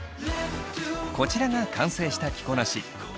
こちらが完成した着こなし。